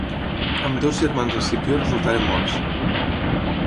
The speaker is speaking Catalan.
Ambdós germans Escipió resultaren morts.